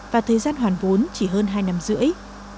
và thời gian hoàn vốn chỉ hơn hai năm rưỡi